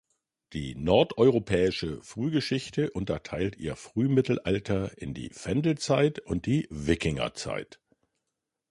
Die Nordeuropäische Frühgeschichte unterteilt ihr Frühmittelalter in die Vendelzeit und die Wikingerzeit.